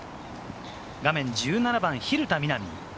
画面１７番・蛭田みな美。